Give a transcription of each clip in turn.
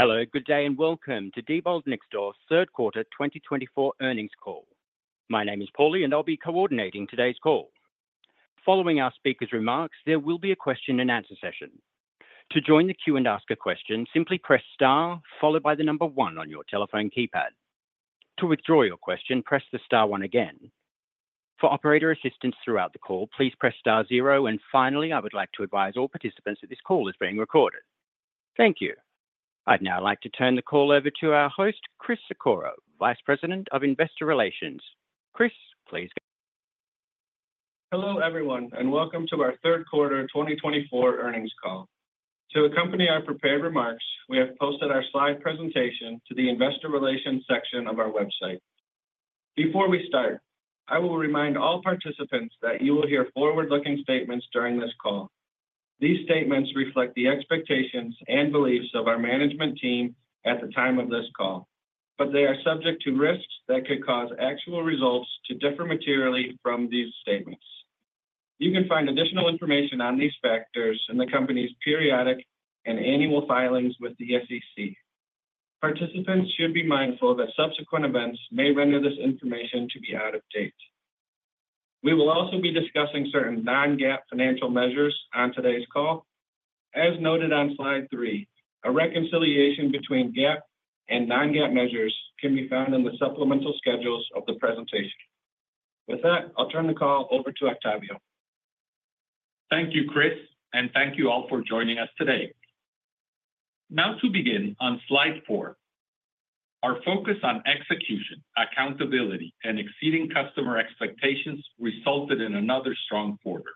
Hello, good day, and welcome to Diebold Nixdorf's third quarter 2024 earnings call. My name is Paulie, and I'll be coordinating today's call. Following our speakers' remarks, there will be a question-and-answer session. To join the queue and ask a question, simply press star followed by the number one on your telephone keypad. To withdraw your question, press the star one again. For operator assistance throughout the call, please press star zero. And finally, I would like to advise all participants that this call is being recorded. Thank you. I'd now like to turn the call over to our host, Chris Sikora, Vice President of Investor Relations. Chris, please. Hello everyone, and welcome to our third quarter 2024 earnings call. To accompany our prepared remarks, we have posted our slide presentation to the Investor Relations section of our website. Before we start, I will remind all participants that you will hear forward-looking statements during this call. These statements reflect the expectations and beliefs of our management team at the time of this call, but they are subject to risks that could cause actual results to differ materially from these statements. You can find additional information on these factors in the company's periodic and annual filings with the SEC. Participants should be mindful that subsequent events may render this information to be out of date. We will also be discussing certain non-GAAP financial measures on today's call. As noted on slide three, a reconciliation between GAAP and non-GAAP measures can be found in the supplemental schedules of the presentation. With that, I'll turn the call over to Octavio. Thank you, Chris, and thank you all for joining us today. Now to begin on slide four, our focus on execution, accountability, and exceeding customer expectations resulted in another strong quarter.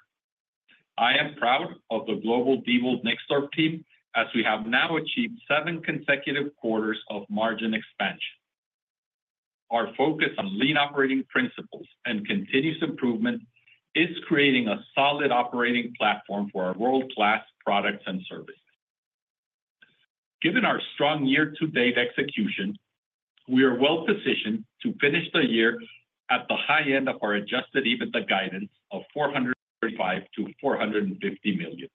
I am proud of the global Diebold Nixdorf team as we have now achieved seven consecutive quarters of margin expansion. Our focus on lean operating principles and continuous improvement is creating a solid operating platform for our world-class products and services. Given our strong year-to-date execution, we are well positioned to finish the year at the high end of our adjusted EBITDA guidance of $435-$450 million.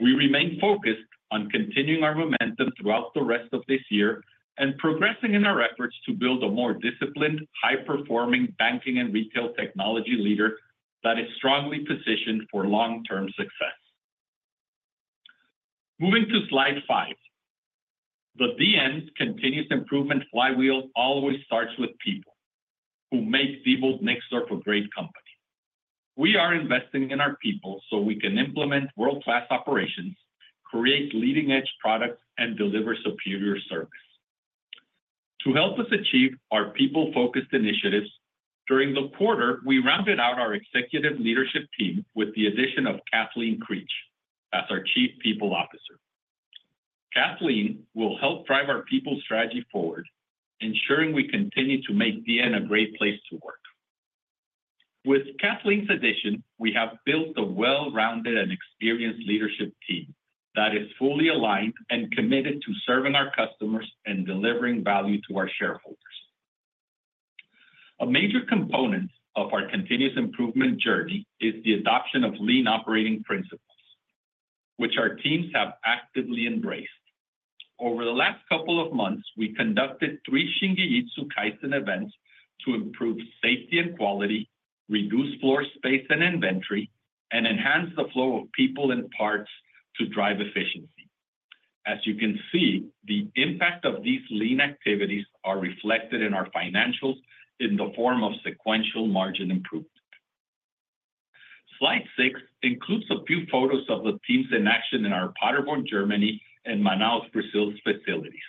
We remain focused on continuing our momentum throughout the rest of this year and progressing in our efforts to build a more disciplined, high-performing banking and retail technology leader that is strongly positioned for long-term success. Moving to slide five, the DN's continuous improvement flywheel always starts with people who make Diebold Nixdorf a great company. We are investing in our people so we can implement world-class operations, create leading-edge products, and deliver superior service. To help us achieve our people-focused initiatives, during the quarter, we rounded out our executive leadership team with the addition of Kathleen Creech as our Chief People Officer. Kathleen will help drive our people strategy forward, ensuring we continue to make DN a great place to work. With Kathleen's addition, we have built a well-rounded and experienced leadership team that is fully aligned and committed to serving our customers and delivering value to our shareholders. A major component of our continuous improvement journey is the adoption of lean operating principles, which our teams have actively embraced. Over the last couple of months, we conducted three Shingijutsu Kaizen events to improve safety and quality, reduce floor space and inventory, and enhance the flow of people and parts to drive efficiency. As you can see, the impact of these lean activities is reflected in our financials in the form of sequential margin improvement. Slide six includes a few photos of the teams in action in our Paderborn, Germany, and Manaus, Brazil facilities.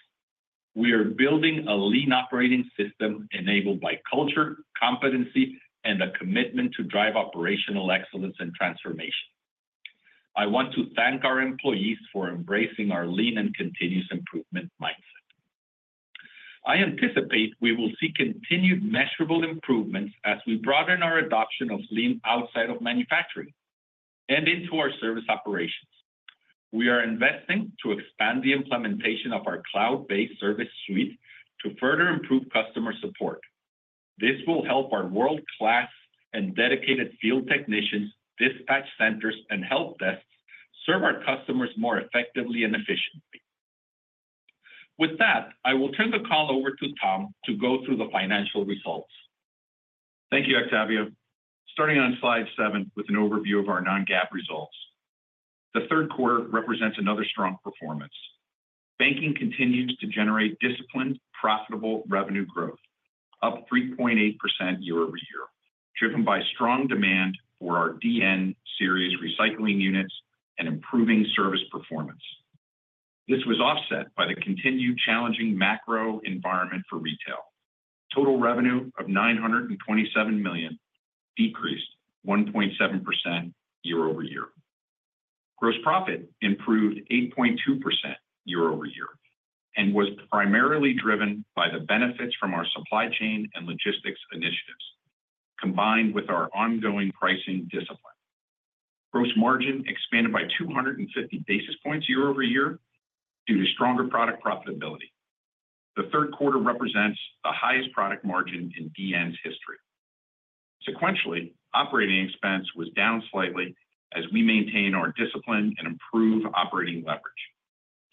We are building a lean operating system enabled by culture, competency, and a commitment to drive operational excellence and transformation. I want to thank our employees for embracing our lean and continuous improvement mindset. I anticipate we will see continued measurable improvements as we broaden our adoption of lean outside of manufacturing and into our service operations. We are investing to expand the implementation of our cloud-based service suite to further improve customer support. This will help our world-class and dedicated field technicians, dispatch centers, and help desks serve our customers more effectively and efficiently. With that, I will turn the call over to Tom to go through the financial results. Thank you, Octavio. Starting on slide seven with an overview of our non-GAAP results, the third quarter represents another strong performance. Banking continues to generate disciplined, profitable revenue growth, up 3.8% year-over-year, driven by strong demand for our DN Series recycling units and improving service performance. This was offset by the continued challenging macro environment for retail. Total revenue of $927 million decreased 1.7% year-over-year. Gross profit improved 8.2% year-over-year and was primarily driven by the benefits from our supply chain and logistics initiatives, combined with our ongoing pricing discipline. Gross margin expanded by 250 basis points year-over-year due to stronger product profitability. The third quarter represents the highest product margin in DN's history. Sequentially, operating expense was down slightly as we maintain our discipline and improve operating leverage.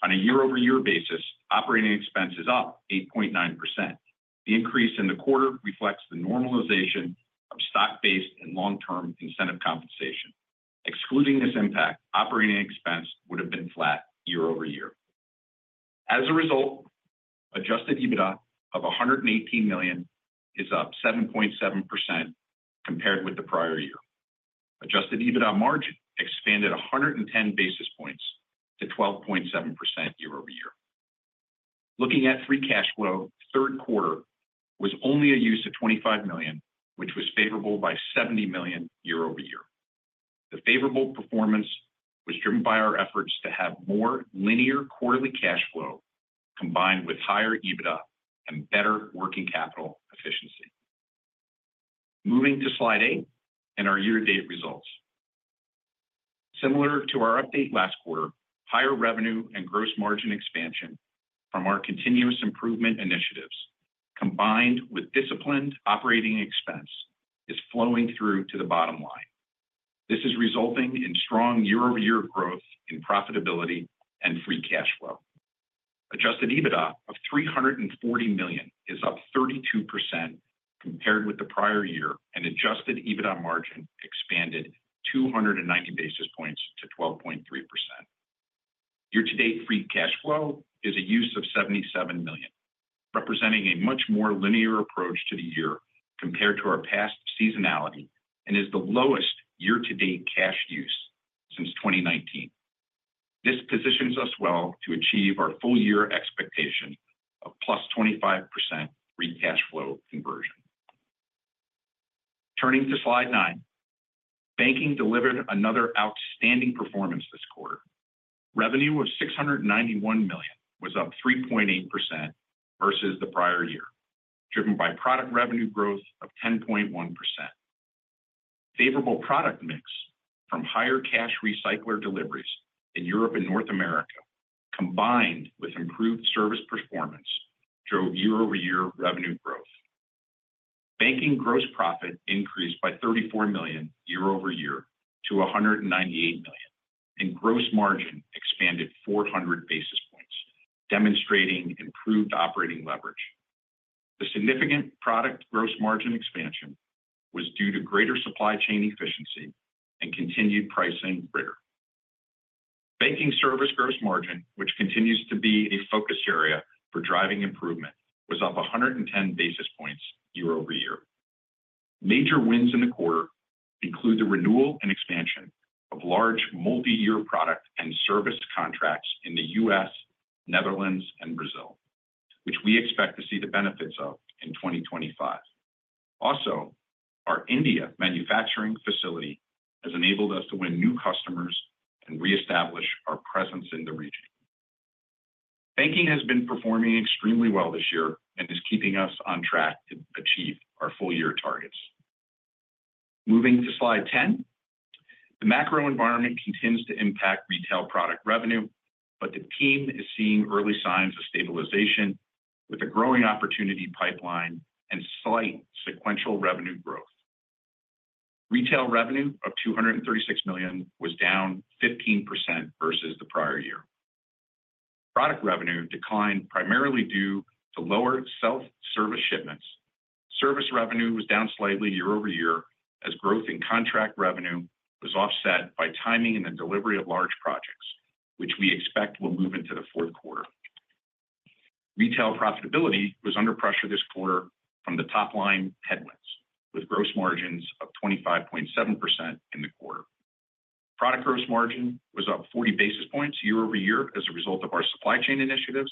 On a year-over-year basis, operating expense is up 8.9%. The increase in the quarter reflects the normalization of stock-based and long-term incentive compensation. Excluding this impact, operating expense would have been flat year-over-year. As a result, Adjusted EBITDA of $118 million is up 7.7% compared with the prior year. Adjusted EBITDA margin expanded 110 basis points to 12.7% year-over-year. Looking at free cash flow, third quarter was only a use of $25 million, which was favorable by $70 million year-over-year. The favorable performance was driven by our efforts to have more linear quarterly cash flow combined with higher EBITDA and better working capital efficiency. Moving to slide eight and our year-to-date results. Similar to our update last quarter, higher revenue and gross margin expansion from our continuous improvement initiatives, combined with disciplined operating expense, is flowing through to the bottom line. This is resulting in strong year-over-year growth in profitability and free cash flow. Adjusted EBITDA of $340 million is up 32% compared with the prior year, and adjusted EBITDA margin expanded 290 basis points to 12.3%. Year-to-date free cash flow is a use of $77 million, representing a much more linear approach to the year compared to our past seasonality and is the lowest year-to-date cash use since 2019. This positions us well to achieve our full-year expectation of plus 25% free cash flow conversion. Turning to slide nine, banking delivered another outstanding performance this quarter. Revenue of $691 million was up 3.8% versus the prior year, driven by product revenue growth of 10.1%. Favorable product mix from higher cash recycler deliveries in Europe and North America, combined with improved service performance, drove year-over-year revenue growth. Banking gross profit increased by $34 million year-over-year to $198 million, and gross margin expanded 400 basis points, demonstrating improved operating leverage. The significant product gross margin expansion was due to greater supply chain efficiency and continued pricing rigor. Banking service gross margin, which continues to be a focus area for driving improvement, was up 110 basis points year-over-year. Major wins in the quarter include the renewal and expansion of large multi-year product and service contracts in the U.S., Netherlands, and Brazil, which we expect to see the benefits of in 2025. Also, our India manufacturing facility has enabled us to win new customers and reestablish our presence in the region. Banking has been performing extremely well this year and is keeping us on track to achieve our full-year targets. Moving to slide 10, the macro environment continues to impact retail product revenue, but the team is seeing early signs of stabilization with a growing opportunity pipeline and slight sequential revenue growth. Retail revenue of $236 million was down 15% versus the prior year. Product revenue declined primarily due to lower self-service shipments. Service revenue was down slightly year-over-year as growth in contract revenue was offset by timing and the delivery of large projects, which we expect will move into the fourth quarter. Retail profitability was under pressure this quarter from the top line headwinds, with gross margins of 25.7% in the quarter. Product gross margin was up 40 basis points year-over-year as a result of our supply chain initiatives.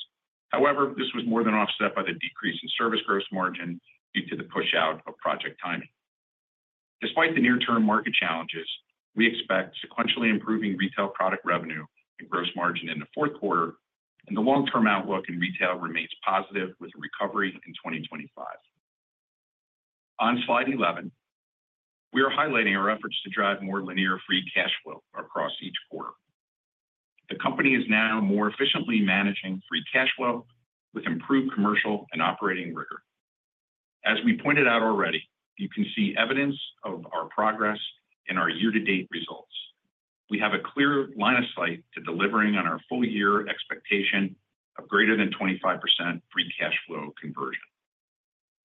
However, this was more than offset by the decrease in service gross margin due to the push-out of project timing. Despite the near-term market challenges, we expect sequentially improving retail product revenue and gross margin in the fourth quarter, and the long-term outlook in retail remains positive with a recovery in 2025. On slide 11, we are highlighting our efforts to drive more linear free cash flow across each quarter. The company is now more efficiently managing free cash flow with improved commercial and operating rigor. As we pointed out already, you can see evidence of our progress in our year-to-date results. We have a clear line of sight to delivering on our full-year expectation of greater than 25% free cash flow conversion.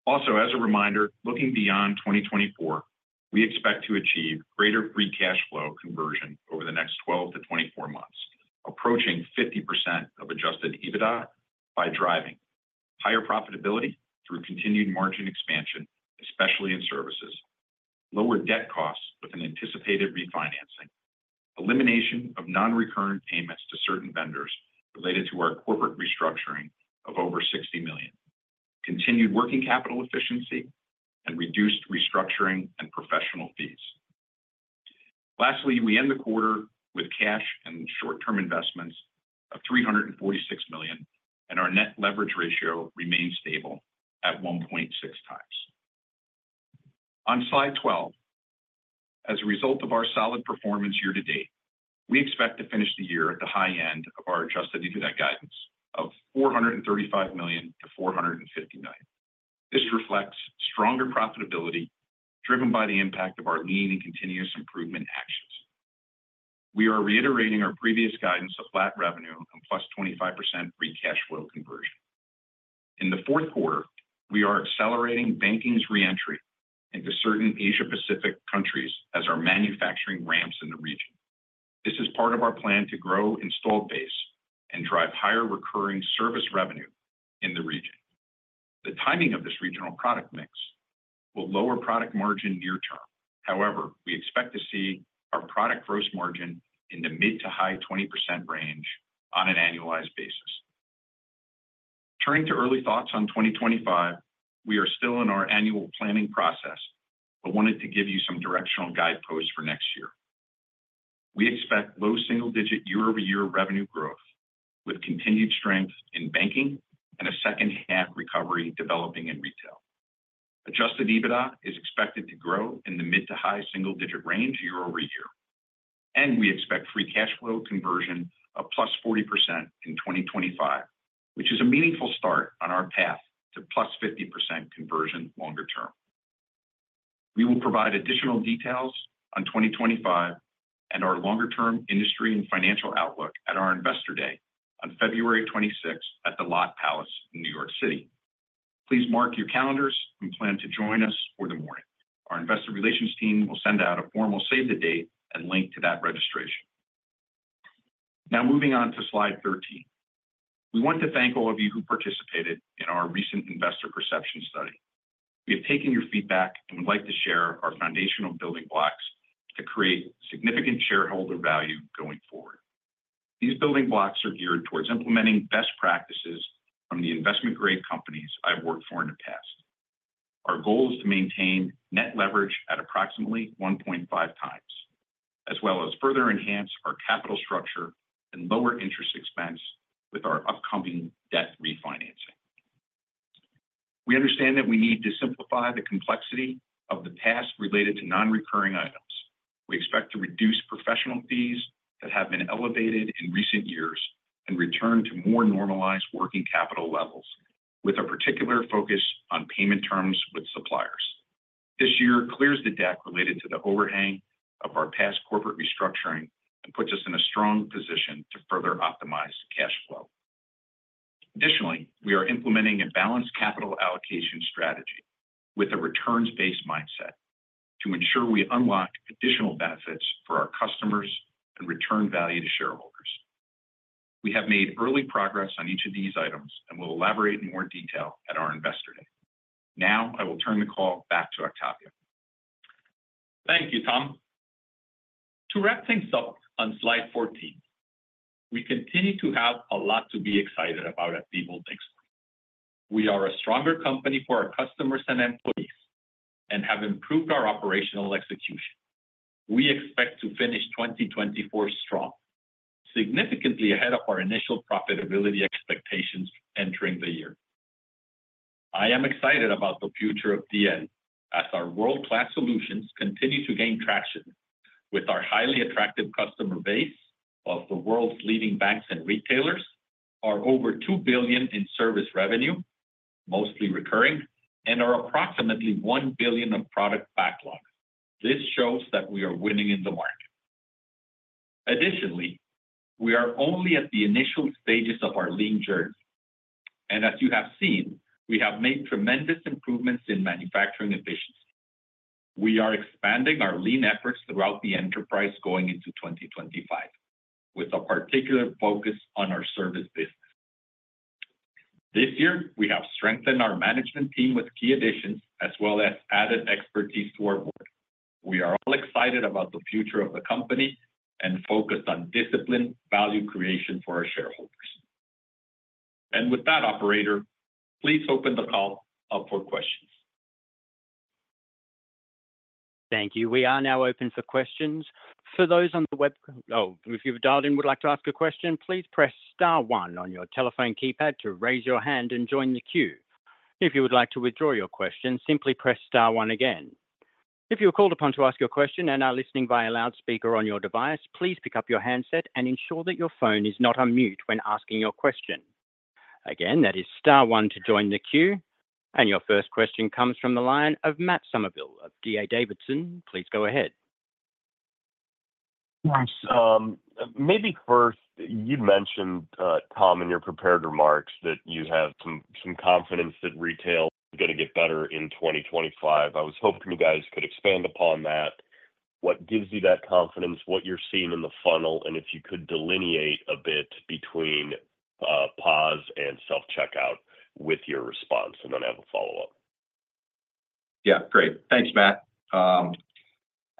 Also, as a reminder, looking beyond 2024, we expect to achieve greater Free Cash Flow conversion over the next 12 to 24 months, approaching 50% of Adjusted EBITDA by driving higher profitability through continued margin expansion, especially in services, lower debt costs with an anticipated refinancing, elimination of non-recurring payments to certain vendors related to our corporate restructuring of over $60 million, continued working capital efficiency, and reduced restructuring and professional fees. Lastly, we end the quarter with cash and short-term investments of $346 million, and our Net Leverage Ratio remains stable at 1.6 times. On slide 12, as a result of our solid performance year-to-date, we expect to finish the year at the high end of our Adjusted EBITDA guidance of $435-$450 million. This reflects stronger profitability driven by the impact of our lean and continuous improvement actions. We are reiterating our previous guidance of flat revenue and plus 25% free cash flow conversion. In the fourth quarter, we are accelerating banking's re-entry into certain Asia-Pacific countries as our manufacturing ramps in the region. This is part of our plan to grow installed base and drive higher recurring service revenue in the region. The timing of this regional product mix will lower product margin near term. However, we expect to see our product gross margin in the mid to high 20% range on an annualized basis. Turning to early thoughts on 2025, we are still in our annual planning process, but wanted to give you some directional guideposts for next year. We expect low single-digit year-over-year revenue growth with continued strength in banking and a second-half recovery developing in retail. Adjusted EBITDA is expected to grow in the mid to high single-digit range year-over-year, and we expect free cash flow conversion of plus 40% in 2025, which is a meaningful start on our path to plus 50% conversion longer term. We will provide additional details on 2025 and our longer-term industry and financial outlook at our investor day on February 26 at the Lotte New York Palace in New York City. Please mark your calendars and plan to join us for the morning. Our investor relations team will send out a formal save-the-date and link to that registration. Now, moving on to slide 13, we want to thank all of you who participated in our recent investor perception study. We have taken your feedback and would like to share our foundational building blocks to create significant shareholder value going forward. These building blocks are geared towards implementing best practices from the investment-grade companies I've worked for in the past. Our goal is to maintain net leverage at approximately 1.5x, as well as further enhance our capital structure and lower interest expense with our upcoming debt refinancing. We understand that we need to simplify the complexity of the past related to non-recurring items. We expect to reduce professional fees that have been elevated in recent years and return to more normalized working capital levels, with a particular focus on payment terms with suppliers. This year clears the deck related to the overhang of our past corporate restructuring and puts us in a strong position to further optimize cash flow. Additionally, we are implementing a balanced capital allocation strategy with a returns-based mindset to ensure we unlock additional benefits for our customers and return value to shareholders. We have made early progress on each of these items and will elaborate in more detail at our investor day. Now, I will turn the call back to Octavio. Thank you, Tom. To wrap things up on slide 14, we continue to have a lot to be excited about at Diebold Nixdorf. We are a stronger company for our customers and employees, and have improved our operational execution. We expect to finish 2024 strong, significantly ahead of our initial profitability expectations entering the year. I am excited about the future of DN as our world-class solutions continue to gain traction with our highly attractive customer base of the world's leading banks and retailers, our over $2 billion in service revenue, mostly recurring, and our approximately $1 billion of product backlog. This shows that we are winning in the market. Additionally, we are only at the initial stages of our lean journey, and as you have seen, we have made tremendous improvements in manufacturing efficiency. We are expanding our lean efforts throughout the enterprise going into 2025, with a particular focus on our service business. This year, we have strengthened our management team with key additions as well as added expertise to our board. We are all excited about the future of the company and focused on disciplined value creation for our shareholders, and with that, operator, please open the call up for questions. Thank you. We are now open for questions. For those on the web, if you've dialed in, would like to ask a question, please press star one on your telephone keypad to raise your hand and join the queue. If you would like to withdraw your question, simply press star one again. If you are called upon to ask your question and are listening via loudspeaker on your device, please pick up your handset and ensure that your phone is not on mute when asking your question. Again, that is star one to join the queue, and your first question comes from the line of Matt Somerville of D.A. Davidson. Please go ahead. Thanks. Maybe first, you mentioned, Tom, in your prepared remarks that you have some confidence that retail is going to get better in 2025. I was hoping you guys could expand upon that. What gives you that confidence? What you're seeing in the funnel? And if you could delineate a bit between POS and self-checkout with your response and then have a follow-up. Yeah, great. Thanks, Matt.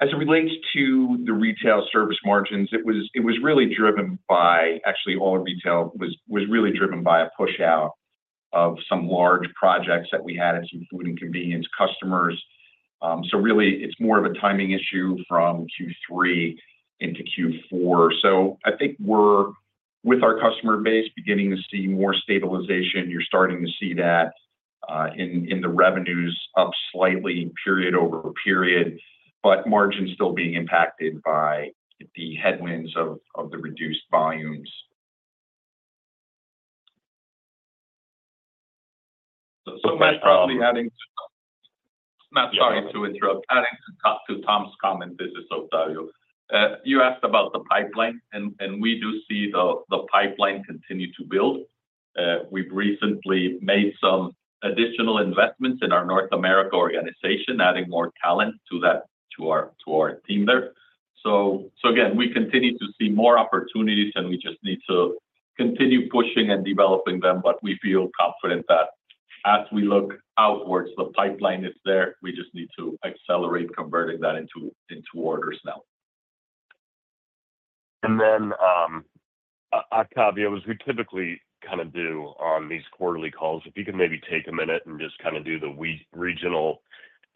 As it relates to the retail service margins, it was really driven by, actually, all retail was really driven by a push-out of some large projects that we had at some food and convenience customers. So really, it's more of a timing issue from Q3 into Q4. So I think we're, with our customer base, beginning to see more stabilization. You're starting to see that in the revenues, up slightly period over period, but margins still being impacted by the headwinds of the reduced volumes. Matt, probably adding to Matt, sorry to interrupt, adding to Tom's comment, this is Octavio. You asked about the pipeline, and we do see the pipeline continue to build. We've recently made some additional investments in our North America organization, adding more talent to our team there. Again, we continue to see more opportunities, and we just need to continue pushing and developing them. But we feel confident that as we look outwards, the pipeline is there. We just need to accelerate converting that into orders now. Octavio, as we typically kind of do on these quarterly calls, if you could maybe take a minute and just kind of do the regional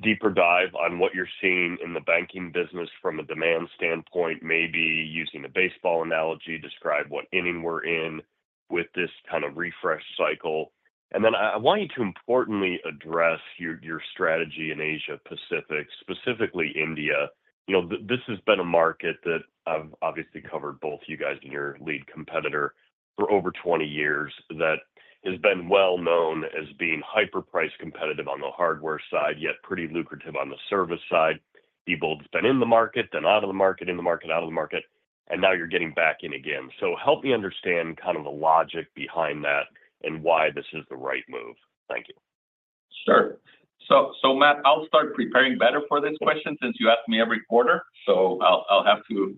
deeper dive on what you're seeing in the banking business from a demand standpoint, maybe using a baseball analogy, describe what inning we're in with this kind of refresh cycle. And then I want you to importantly address your strategy in Asia-Pacific, specifically India. This has been a market that I've obviously covered both you guys and your lead competitor for over 20 years that has been well known as being hyper-price competitive on the hardware side, yet pretty lucrative on the service side. Diebold's been in the market, then out of the market, in the market, out of the market, and now you're getting back in again. So help me understand kind of the logic behind that and why this is the right move? Thank you. Sure. So Matt, I'll start preparing better for this question since you ask me every quarter. So I'll have to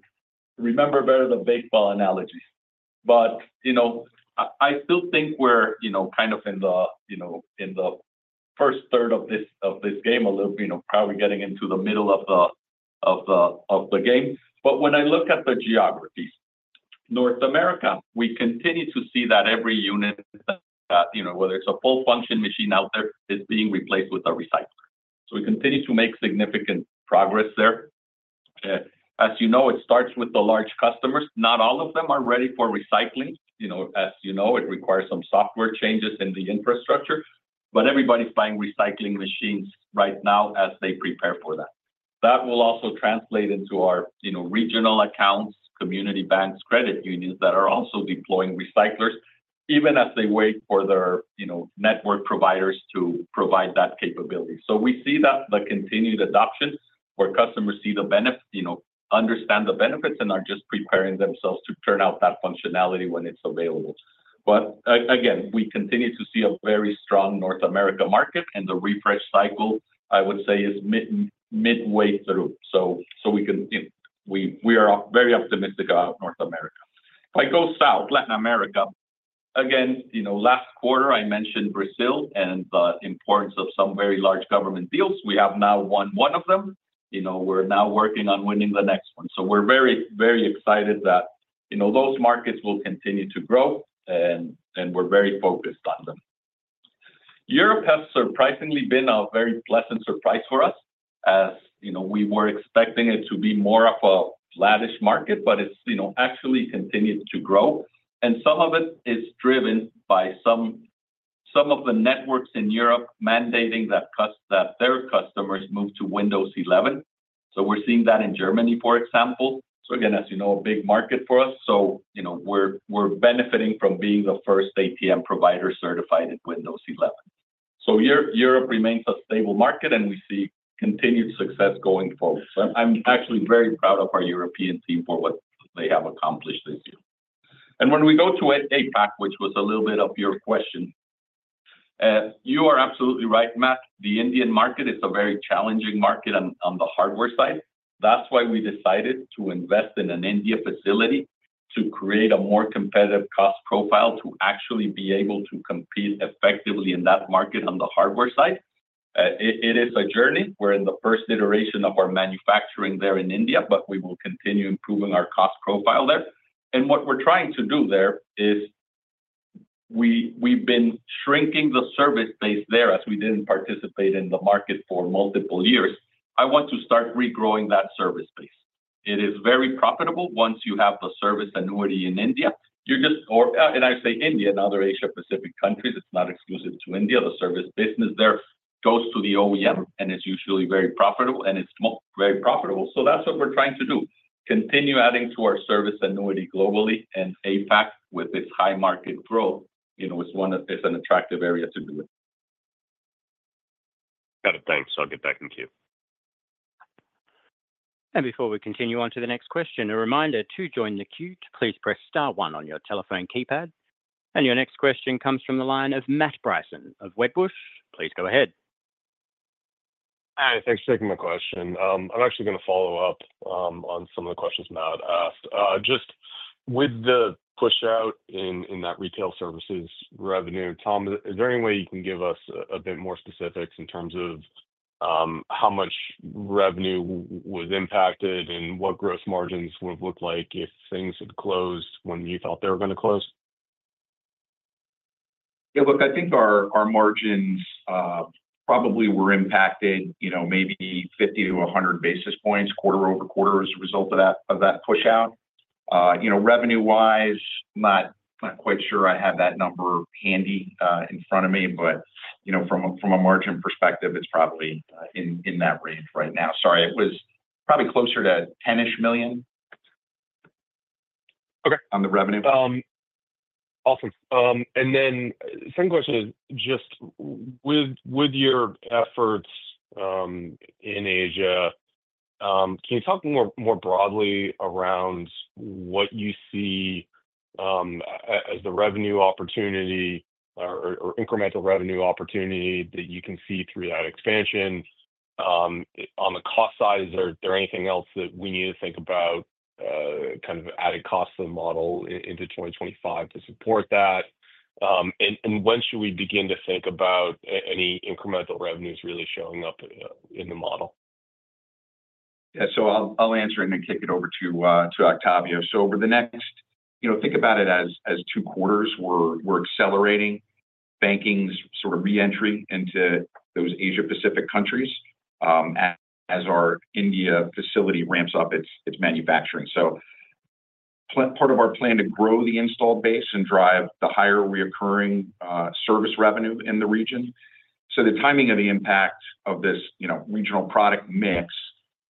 remember better the baseball analogy. But I still think we're kind of in the first third of this game, probably getting into the middle of the game. But when I look at the geographies, North America, we continue to see that every unit, whether it's a full-function machine out there, is being replaced with a recycler. So we continue to make significant progress there. As you know, it starts with the large customers. Not all of them are ready for recycling. As you know, it requires some software changes in the infrastructure, but everybody's buying recycling machines right now as they prepare for that. That will also translate into our regional accounts, community banks, credit unions that are also deploying recyclers, even as they wait for their network providers to provide that capability. So we see the continued adoption where customers see the benefit, understand the benefits, and are just preparing themselves to turn out that functionality when it's available. But again, we continue to see a very strong North America market, and the refresh cycle, I would say, is midway through. So we are very optimistic about North America. If I go south, Latin America, again, last quarter, I mentioned Brazil and the importance of some very large government deals. We have now won one of them. We're now working on winning the next one. So we're very, very excited that those markets will continue to grow, and we're very focused on them. Europe has surprisingly been a very pleasant surprise for us, as we were expecting it to be more of a laggard market, but it's actually continued to grow. And some of it is driven by some of the networks in Europe mandating that their customers move to Windows 11. So we're seeing that in Germany, for example. So again, as you know, a big market for us. So we're benefiting from being the first ATM provider certified in Windows 11. So Europe remains a stable market, and we see continued success going forward. So I'm actually very proud of our European team for what they have accomplished this year. And when we go to APAC, which was a little bit of your question, you are absolutely right, Matt. The Indian market is a very challenging market on the hardware side. That's why we decided to invest in an India facility to create a more competitive cost profile to actually be able to compete effectively in that market on the hardware side. It is a journey. We're in the first iteration of our manufacturing there in India, but we will continue improving our cost profile there. And what we're trying to do there is we've been shrinking the service base there as we didn't participate in the market for multiple years. I want to start regrowing that service base. It is very profitable. Once you have the service annuity in India, you're just, and I say India, in other Asia-Pacific countries, it's not exclusive to India. The service business there goes to the OEM and is usually very profitable, and it's very profitable. So that's what we're trying to do. Continue adding to our service annuity globally, and APAC, with its high market growth, is an attractive area to do it. Got it. Thanks. I'll get back in queue. And before we continue on to the next question, a reminder to join the queue, please press star one on your telephone keypad. And your next question comes from the line of Matt Bryson of Wedbush. Please go ahead. Hi. Thanks for taking my question. I'm actually going to follow up on some of the questions Matt asked. Just with the push-out in that retail services revenue, Tom, is there any way you can give us a bit more specifics in terms of how much revenue was impacted and what gross margins would have looked like if things had closed when you thought they were going to close? Yeah. Look, I think our margins probably were impacted maybe 50 to 100 basis points quarter-over-quarter as a result of that push-out. Revenue-wise, not quite sure I have that number handy in front of me, but from a margin perspective, it's probably in that range right now. Sorry, it was probably closer to $10-ish million on the revenue. Awesome. And then the second question is just with your efforts in Asia, can you talk more broadly around what you see as the revenue opportunity or incremental revenue opportunity that you can see through that expansion? On the cost side, is there anything else that we need to think about, kind of added cost of the model into 2025 to support that? And when should we begin to think about any incremental revenues really showing up in the model? Yeah. So, I'll answer and then kick it over to Octavio. So, over the next, think about it as two quarters, we're accelerating banking's sort of re-entry into those Asia-Pacific countries as our India facility ramps up its manufacturing. So, part of our plan to grow the installed base and drive the higher recurring service revenue in the region. So, the timing of the impact of this regional product mix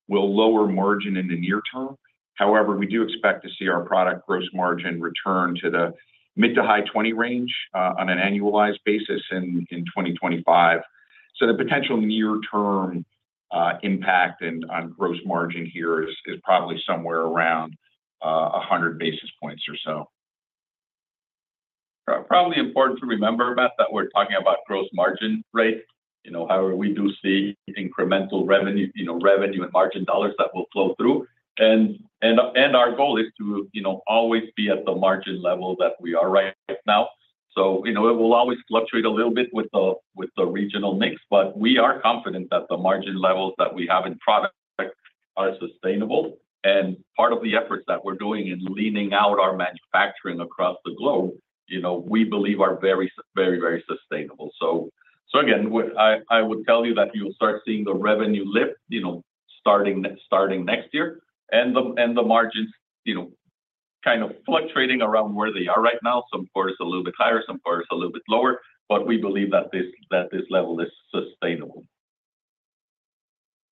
will lower margin in the near term. However, we do expect to see our product gross margin return to the mid to high 20 range on an annualized basis in 2025. So, the potential near-term impact on gross margin here is probably somewhere around 100 basis points or so. Probably important to remember, Matt, that we're talking about gross margin rate. However, we do see incremental revenue and margin dollars that will flow through. And our goal is to always be at the margin level that we are right now. So it will always fluctuate a little bit with the regional mix, but we are confident that the margin levels that we have in product are sustainable. And part of the efforts that we're doing in leaning out our manufacturing across the globe, we believe are very, very, very sustainable. So again, I would tell you that you'll start seeing the revenue lift starting next year and the margins kind of fluctuating around where they are right now. Some quarters are a little bit higher, some quarters are a little bit lower, but we believe that this level is sustainable.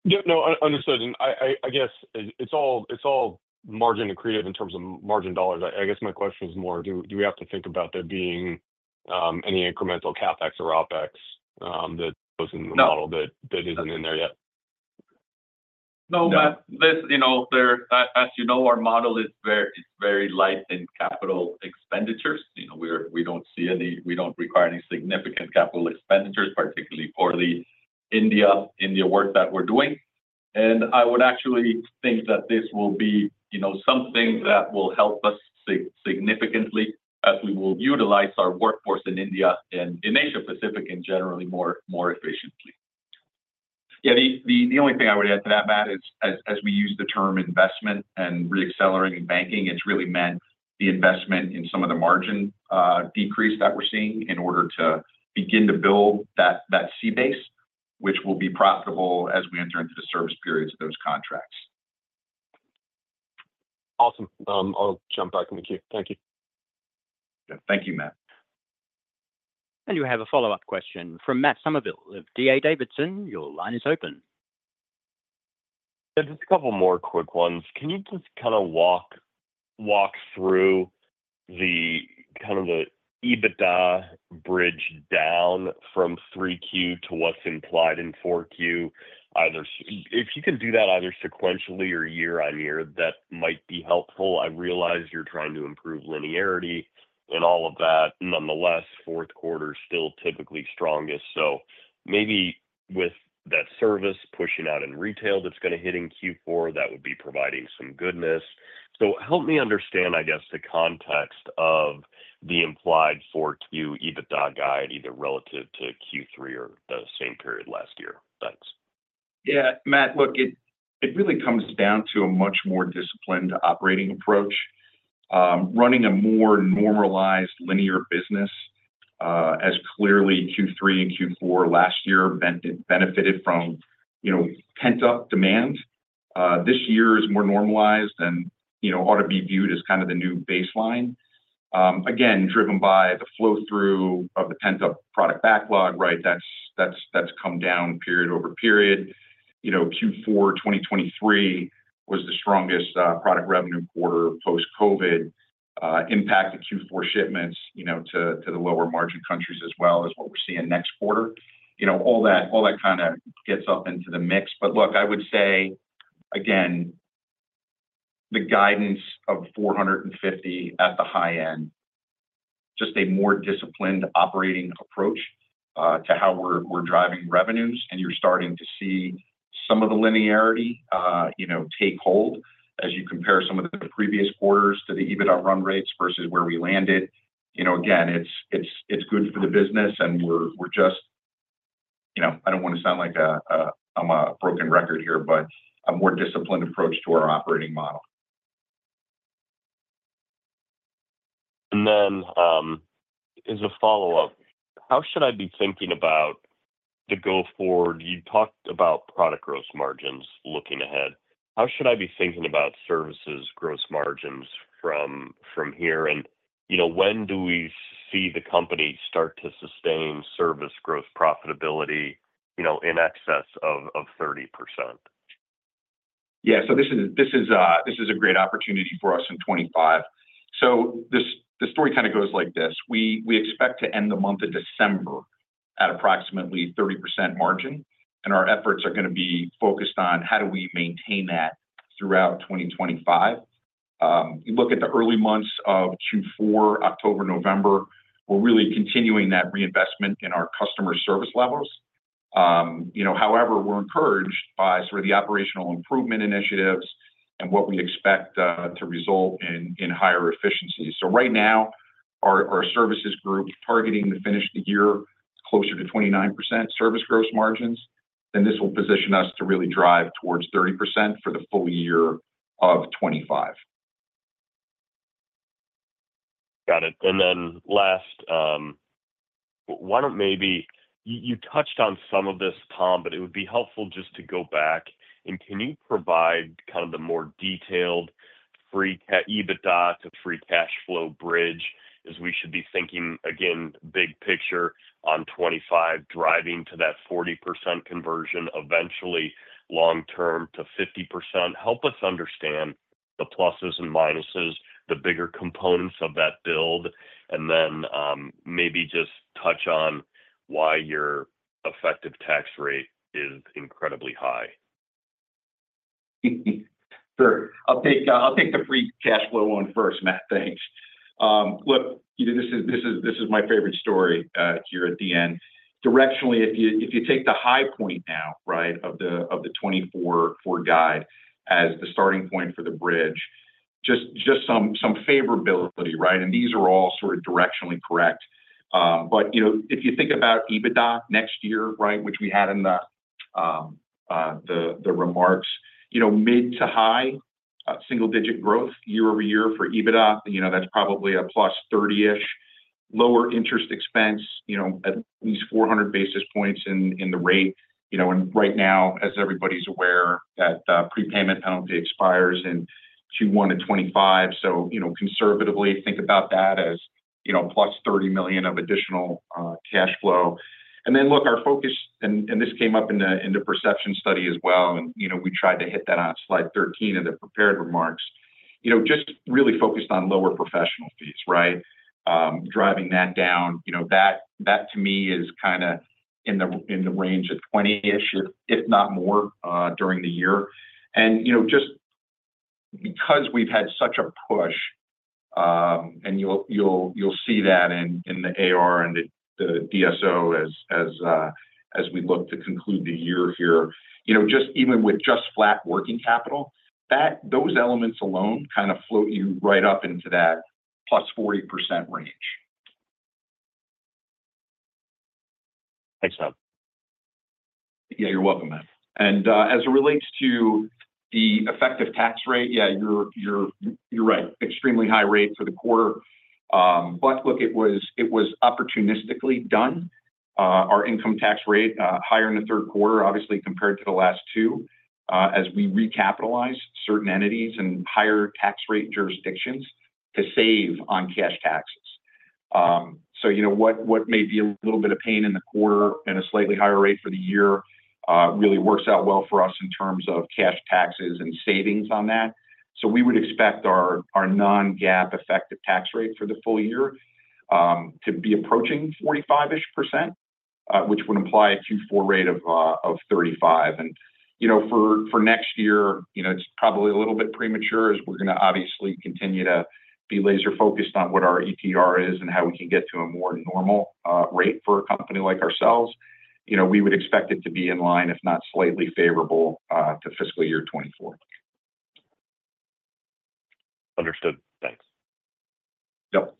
Yeah. No, understood. And I guess it's all margin accretive in terms of margin dollars. I guess my question is more, do we have to think about there being any incremental CapEx or OpEx that goes in the model that isn't in there yet? No, Matt. As you know, our model is very light in capital expenditures. We don't see any. We don't require any significant capital expenditures, particularly for the India work that we're doing, and I would actually think that this will be something that will help us significantly as we will utilize our workforce in India and in Asia-Pacific and generally more efficiently. Yeah. The only thing I would add to that, Matt, is as we use the term investment and re-accelerating banking, it's really meant the investment in some of the margin decrease that we're seeing in order to begin to build that customer base, which will be profitable as we enter into the service periods of those contracts. Awesome. I'll jump back in the queue. Thank you. Yeah. Thank you, Matt. We have a follow-up question from Matt Somerville of D.A. Davidson. Your line is open. Yeah. Just a couple more quick ones. Can you just kind of walk through kind of the EBITDA bridge down from 3Q to what's implied in 4Q? If you can do that either sequentially or year on year, that might be helpful. I realize you're trying to improve linearity and all of that. Nonetheless, fourth quarter is still typically strongest. So maybe with that service pushing out in retail that's going to hit in Q4, that would be providing some goodness. So help me understand, I guess, the context of the implied 4Q EBITDA guide, either relative to Q3 or the same period last year. Thanks. Yeah. Matt, look, it really comes down to a much more disciplined operating approach. Running a more normalized linear business, as clearly Q3 and Q4 last year benefited from pent-up demand, this year is more normalized and ought to be viewed as kind of the new baseline. Again, driven by the flow-through of the pent-up product backlog, right? That's come down period over period. Q4 2023 was the strongest product revenue quarter post-COVID. Impacted Q4 shipments to the lower margin countries as well as what we're seeing next quarter. All that kind of gets up into the mix. But look, I would say, again, the guidance of 450 at the high end, just a more disciplined operating approach to how we're driving revenues. And you're starting to see some of the linearity take hold as you compare some of the previous quarters to the EBITDA run rates versus where we landed. Again, it's good for the business, and we're just, I don't want to sound like I'm a broken record here, but a more disciplined approach to our operating model. Then as a follow-up, how should I be thinking about the go-forward? You talked about product gross margins looking ahead. How should I be thinking about services gross margins from here? When do we see the company start to sustain service gross profitability in excess of 30%? Yeah. So this is a great opportunity for us in 2025. So the story kind of goes like this. We expect to end the month of December at approximately 30% margin, and our efforts are going to be focused on how do we maintain that throughout 2025. You look at the early months of Q4, October, November. We're really continuing that reinvestment in our customer service levels. However, we're encouraged by sort of the operational improvement initiatives and what we expect to result in higher efficiencies. So right now, our services group targeting to finish the year closer to 29% service gross margins. Then this will position us to really drive towards 30% for the full year of 2025. Got it. And then last, why don't maybe—you touched on some of this, Tom, but it would be helpful just to go back. And can you provide kind of the more detailed from EBITDA to free cash flow bridge as we should be thinking, again, big picture on 2025, driving to that 40% conversion eventually long-term to 50%? Help us understand the pluses and minuses, the bigger components of that build, and then maybe just touch on why your effective tax rate is incredibly high. Sure. I'll take the free cash flow one first, Matt. Thanks. Look, this is my favorite story here at the end. Directionally, if you take the high point now, right, of the 2024 guide as the starting point for the bridge, just some favorability, right? And these are all sort of directionally correct. But if you think about EBITDA next year, right, which we had in the remarks, mid- to high single-digit growth year-over-year for EBITDA, that's probably a plus 30-ish. Lower interest expense, at least 400 basis points in the rate. And right now, as everybody's aware, that prepayment penalty expires in Q1 of 2025. So conservatively, think about that as plus $30 million of additional cash flow. And then look, our focus, and this came up in the perception study as well, and we tried to hit that on slide 13 of the prepared remarks, just really focused on lower professional fees, right? Driving that down. That, to me, is kind of in the range of 20-ish, if not more, during the year. And just because we've had such a push, and you'll see that in the AR and the DSO as we look to conclude the year here, just even with just flat working capital, those elements alone kind of float you right up into that plus 40% range. Thanks, Tom. Yeah. You're welcome, Matt, and as it relates to the effective tax rate, yeah, you're right. Extremely high rate for the quarter, but look, it was opportunistically done. Our income tax rate higher in the third quarter, obviously, compared to the last two as we recapitalize certain entities and higher tax rate jurisdictions to save on cash taxes. So what may be a little bit of pain in the quarter and a slightly higher rate for the year really works out well for us in terms of cash taxes and savings on that, so we would expect our Non-GAAP effective tax rate for the full year to be approaching 45-ish%, which would imply a Q4 rate of 35%. For next year, it's probably a little bit premature as we're going to obviously continue to be laser-focused on what our ETR is and how we can get to a more normal rate for a company like ourselves. We would expect it to be in line, if not slightly favorable, to fiscal year 2024. Understood. Thanks. Yep.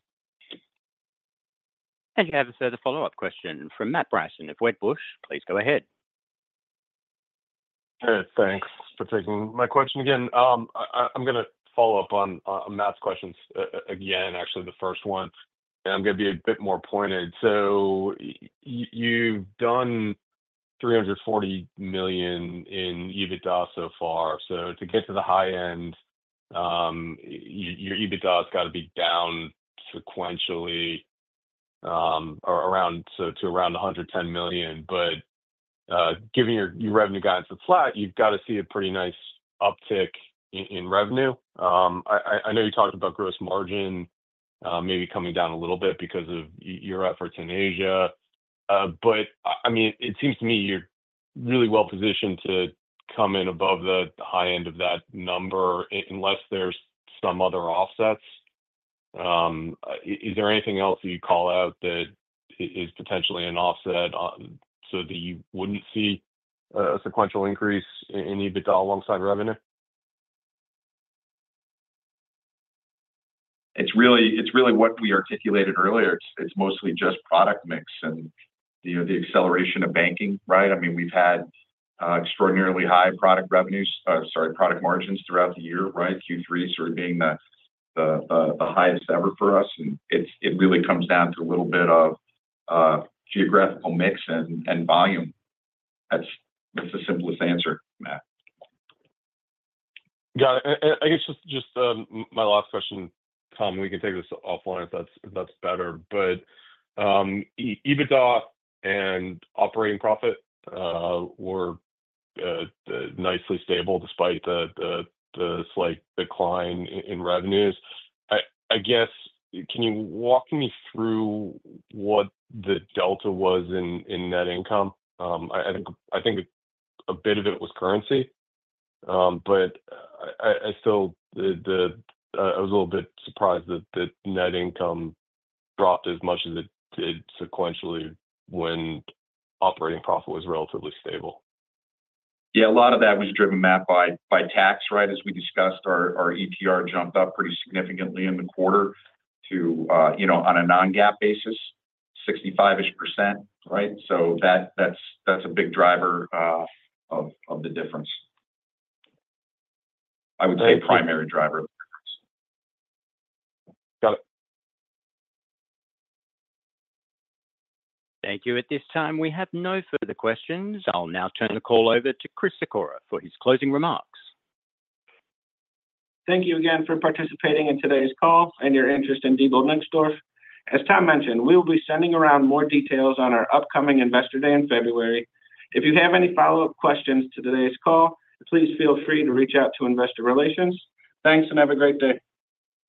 You have the follow-up question from Matt Bryson of Wedbush. Please go ahead. Thanks for taking my question again. I'm going to follow up on Matt's questions again, actually the first one, and I'm going to be a bit more pointed, so you've done $340 million in EBITDA so far, so to get to the high end, your EBITDA has got to be down sequentially to around $110 million, but given your revenue guidance at flat, you've got to see a pretty nice uptick in revenue. I know you talked about gross margin maybe coming down a little bit because of your efforts in Asia, but I mean, it seems to me you're really well positioned to come in above the high end of that number unless there's some other offsets. Is there anything else you call out that is potentially an offset so that you wouldn't see a sequential increase in EBITDA alongside revenue? It's really what we articulated earlier. It's mostly just product mix and the acceleration of banking, right? I mean, we've had extraordinarily high product revenues, sorry, product margins, throughout the year, right? Q3 sort of being the highest ever for us, and it really comes down to a little bit of geographical mix and volume. That's the simplest answer, Matt. Got it. And I guess just my last question, Tom, and we can take this offline if that's better. But EBITDA and operating profit were nicely stable despite the slight decline in revenues. I guess, can you walk me through what the delta was in net income? I think a bit of it was currency. But I was a little bit surprised that net income dropped as much as it did sequentially when operating profit was relatively stable. Yeah. A lot of that was driven, Matt, by tax, right? As we discussed, our ETR jumped up pretty significantly in the quarter on a non-GAAP basis, 65-ish%, right? So that's a big driver of the difference. I would say primary driver of the difference. Got it. Thank you. At this time, we have no further questions. I'll now turn the call over to Chris Sikora for his closing remarks. Thank you again for participating in today's call and your interest in Diebold Nixdorf. As Tom mentioned, we will be sending around more details on our upcoming investor day in February. If you have any follow-up questions to today's call, please feel free to reach out to investor relations. Thanks and have a great day.